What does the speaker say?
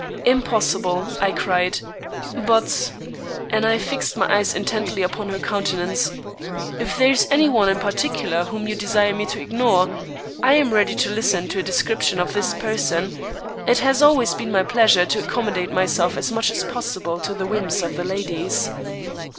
"Impossible," I cried; "but" and I fixed my eyes intently upon her countenance "if there is any one in particular whom you desire me to ignore, I am ready to listen to a description of his person. It has always been my pleasure to accommodate myself as much as possible to the whims of the ladies."